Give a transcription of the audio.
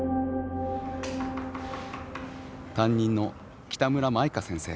担任の北村麻以加先生。